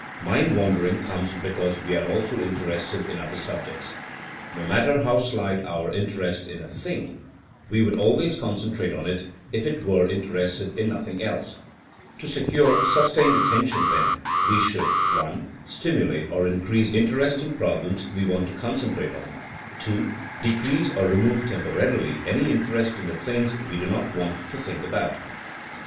Mind wandering comes because we are also interested in other subjects. No matter how slight our interest in a thing, we THINEINO AS A SCIENCE 81 would always concentrate on it if we were in terested in nothing else. To secure sustained attention, then, we should (1) stimulate or in crease interest in problems we want to concen trate on, (2) decrease or remove temporarily any interest in the things we do not want to think about.